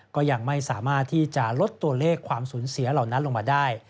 ก็ยังไม่สามารถที่จะลดตัวเลขความสูญเสียเหล่านั้นลงมาได้